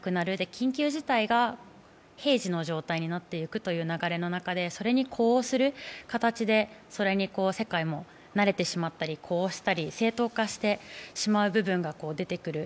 緊急事態が平時の状態になっていくという流れの中で、それに呼応する形で世界もそれに慣れてしまったり、呼応したり、正当化してしまう部分も出てくる。